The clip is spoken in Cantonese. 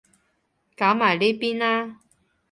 搞埋呢邊啦